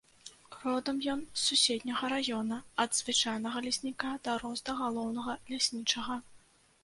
Родам ён з суседняга раёна, ад звычайнага лесніка дарос да галоўнага ляснічага.